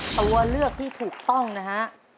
ตัวเลือกที่ถูกต้องนะฮะ